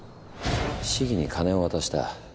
市議に金を渡した。